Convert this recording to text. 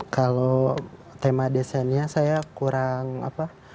kalau tema desanya saya kurang apa